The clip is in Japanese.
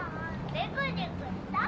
ピクニックしたい。